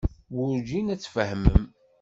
Werǧin ad tfehmem.